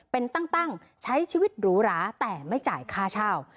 เป็นตั้งใช้ชีวิตหรูหราแต่ไม่จ่ายค่าเช่า